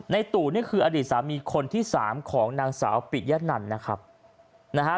ตู่นี่คืออดีตสามีคนที่สามของนางสาวปิยะนันนะครับนะฮะ